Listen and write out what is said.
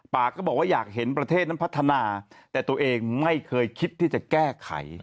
ปากก็บอกว่าอยากเห็นประเทศนั้นพัฒนาแต่ตัวเองไม่เคยคิดที่จะแก้ไข